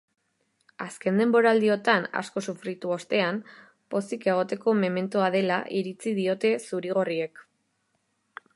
Azken denboraldiotan asko sufritu ostean pozik egoteko mementoa dela iritzi diote zuri-gorriek.